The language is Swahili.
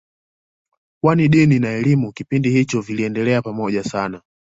kwani dini na elimu kipindi hicho vilienda pamoja sana